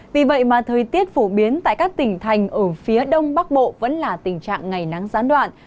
vì vậy mà thời tiết phổ biến tại các tỉnh thành ở phía đông bắc bộ vẫn là tình trạng ngày nắng gián đoạn